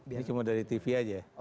ini cuma dari tv aja ya